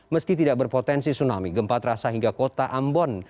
meski tidak berpotensi tsunami gempa terasa hingga kota ambon